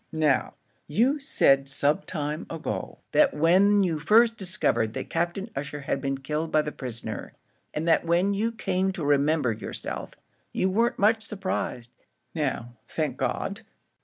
"Now, you said some time ago, that when you first discovered that Captain Ussher had been killed by the prisoner, and that when you came to remember yourself, you weren't much surprised. Now, thank God!